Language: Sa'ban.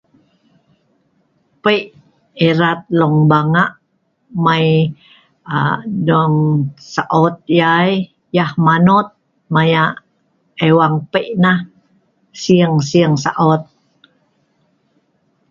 pei' erat Long Banga mai aaa dong saot yai..yah manot maya' ewang pei' nah sing sing saot